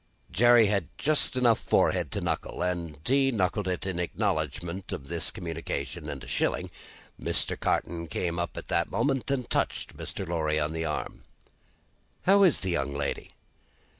Jerry had just enough forehead to knuckle, and he knuckled it in acknowledgment of this communication and a shilling. Mr. Carton came up at the moment, and touched Mr. Lorry on the arm. "How is the young lady?"